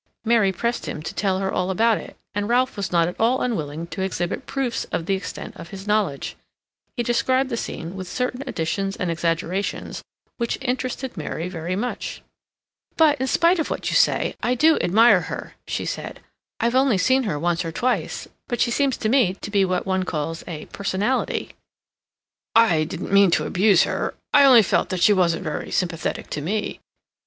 Mary pressed him to tell her all about it, and Ralph was not at all unwilling to exhibit proofs of the extent of his knowledge. He described the scene with certain additions and exaggerations which interested Mary very much. "But, in spite of what you say, I do admire her," she said. "I've only seen her once or twice, but she seems to me to be what one calls a 'personality.'" "I didn't mean to abuse her. I only felt that she wasn't very sympathetic to me."